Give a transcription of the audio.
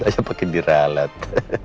aja pake diri alat